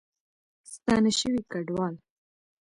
ستانه شوي کډوال